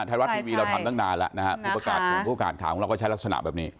ไทยรัฐทีวีเราทำตั้งนานแล้วผู้ประกาศของเราก็ใช้ลักษณะแบบนี้